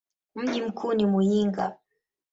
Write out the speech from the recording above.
Mji mkuu ni Muyinga.